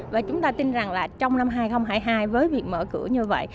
và chúng ta tin rằng là trong năm hai nghìn hai mươi hai với việc mở cửa như vậy